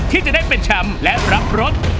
ที่จะได้เป็นแชมป์และรับรถ